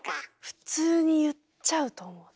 普通に言っちゃうと思う。